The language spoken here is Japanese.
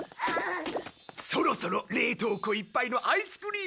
そろそろ冷凍庫いっぱいのアイスクリームの時間だろ？